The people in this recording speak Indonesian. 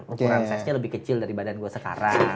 ukuran size nya lebih kecil dari badan gue sekarang